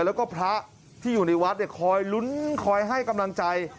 แล้วก็พระที่อยู่ในวัดคอยลุ้นคอยให้กำลังใจ